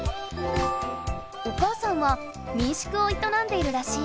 おかあさんは民宿をいとなんでいるらしい。